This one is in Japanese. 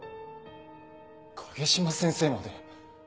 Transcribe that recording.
影島先生まで。